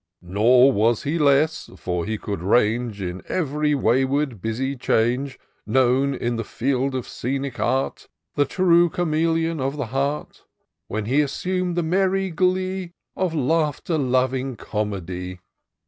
" Nor was he less (for he could range In ev'ry wajrward busy change Known in the field of scenic art — The true chameleon of the heart) When he assum'd the merry glee Of laughter loving Comedy.